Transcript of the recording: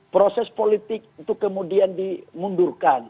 proses politik itu kemudian dimundurkan